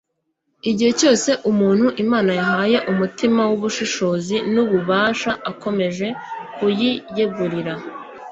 igihe cyose umuntu imana yahaye umutima w'ubushishozi n'ububasha akomeje kuyiyegurira